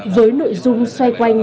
với nội dung xoay quanh